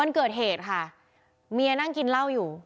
วันเกิดเหตุค่ะเมียนั่งกินเหล้าอยู่